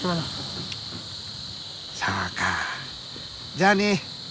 じゃあね。